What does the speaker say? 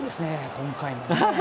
今回もね。